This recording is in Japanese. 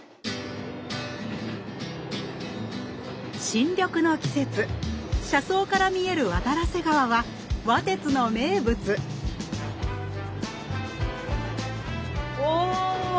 新緑の季節車窓から見える渡良瀬川は「わ鐵」の名物お！